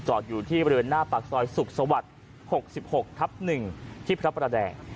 อยู่ที่บริเวณหน้าปากซอยสุขสวรรค์๖๖ทับ๑ที่พระประแดง